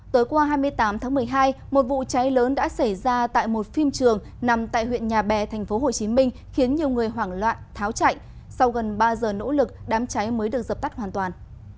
tối qua hai mươi tám tháng một mươi hai một vụ cháy lớn đã xảy ra tại một phim trường nằm tại huyện nhà bè tp hcm khiến nhiều người hoảng loạn tháo chạy sau gần ba giờ nỗ lực đám cháy mới được dập tắt hoàn toàn